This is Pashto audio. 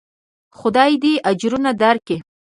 خداى دې اجرونه دركي.